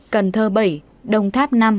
cần thơ bảy đồng tháp năm